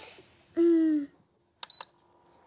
うん。